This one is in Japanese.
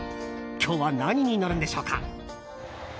今日は何に乗るんでしょうか。